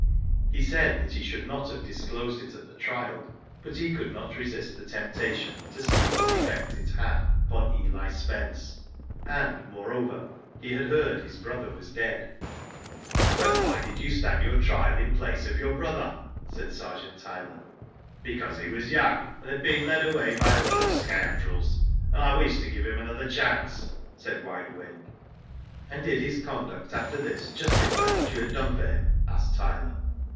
He said he should not have disclosed it at the trial, but he could not resist the temptation to see what effect it had upon Eli Spence, and, moreover, he had heard his brother was dead. "But why did you stand your trial in place of your brother?" said Sergeant Tyler. " Because he was young and had been led away by a lot of scoundrels, and I wished to give him another chance," said Wide Awake. And did his conduct after this justify what you had done for him?" asked Tyler.